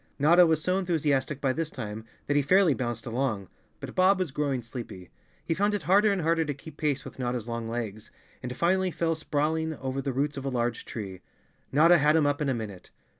Notta was so enthusiastic by this time that he fairly bounced along. But Bob was growing sleepy. He found it harder and harder to keep pace with Notta's long legs, and finally fell sprawling over the roots of a large tree. Notta had him up in a minute.